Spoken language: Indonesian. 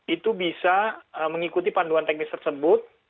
itu bisa mengikuti panduan teknis tersebut